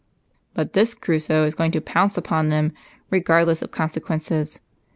" But this Crusoe is going to pounce upon them regardless of consequences.